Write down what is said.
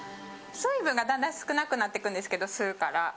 水分がだんだん少なくなるんですけど、吸うから。